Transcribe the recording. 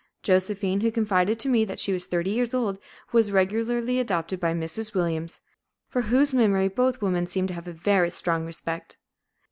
Josephine, who confided to me that she was thirty years old, was regularly adopted by Mrs. Williams, for whose memory both women seem to have a very strong respect.